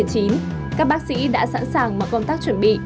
các bác sĩ đã sẵn sàng mọi công tác chuẩn bị